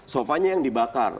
sofanya yang dibakar